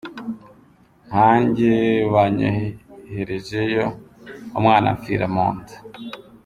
Nkanjye banyoherejeyo umwana ampfira mu nda.